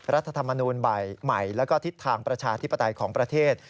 รัฐธรรมนูลใหม่แล้วก็ทิศทางประชาธิปไตยของประเทศ